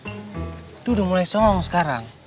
itu udah mulai song sekarang